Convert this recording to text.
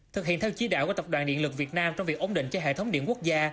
thực hiện theo chí đạo của tập đoàn điện lực việt nam trong việc ổn định cho hệ thống điện quốc gia